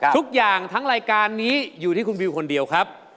ทุกอย่างทั้งรายการนี้อยู่ที่คุณวิวคนเดียวครับ